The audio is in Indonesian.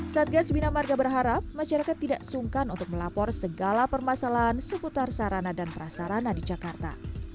satgas bina marga berharap masyarakat tidak sungkan untuk melapor segala permasalahan seputar sarana dan prasarana di jakarta